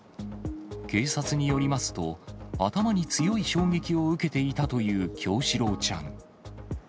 警察によりますと、頭に強い衝撃を受けていたという叶志郎ちゃん。